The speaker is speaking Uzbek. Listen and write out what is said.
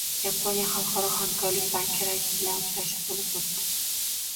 Yaponiya xalqaro hamkorlik banki raisi bilan uchrashuv bo‘lib o‘tdi